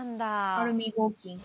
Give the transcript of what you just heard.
アルミ合金。